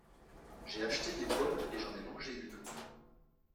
J'ai acheté des pommes et j'en ai mangé une.